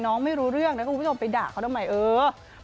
น้องไม่รู้เรื่องนะก็ไม่ต้องไปด่าเขาได้ไหมเออ